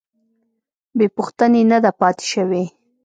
بې پوښتنې نه ده پاتې شوې.